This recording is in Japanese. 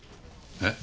え？